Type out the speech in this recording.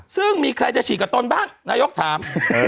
ซึ่งมีใครจะฉีดกับตนบ้างนายกถาม